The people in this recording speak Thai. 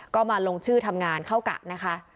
ก็มาลงชื่อทำงานเข้ากะนะคะ